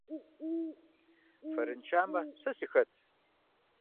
Фэрыншамэ, сэ сыхэт?